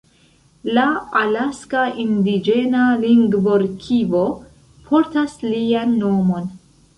La Alaska Indiĝena Lingvorkivo portas lian nomon.